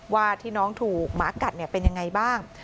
ว่าที่น้องถูกหมากัดเป็นยังไงบ้าง